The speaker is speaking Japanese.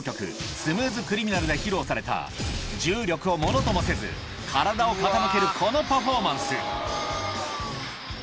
『スムーズ・クリミナル』で披露された重力をものともせず体を傾けるこのパフォーマンス